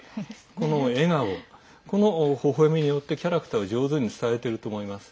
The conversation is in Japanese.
この笑顔、このほほえみによってキャラクターを上手に伝えていると思います。